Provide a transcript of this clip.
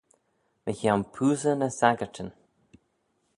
Mychione poosey ny saggyrtyn.